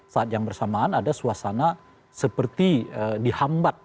saat yang bersamaan ada suasana seperti dihambat